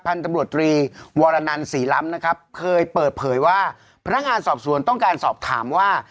ตำรวจตรีวรนันศรีล้ำนะครับเคยเปิดเผยว่าพนักงานสอบสวนต้องการสอบถามว่า